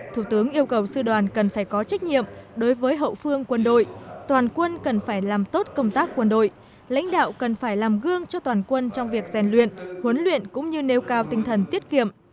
thủ tướng yêu cầu sư đoàn cần phải có trách nhiệm đối với hậu phương quân đội toàn quân cần phải làm tốt công tác quân đội lãnh đạo cần phải làm gương cho toàn quân trong việc rèn luyện huấn luyện cũng như nêu cao tinh thần tiết kiệm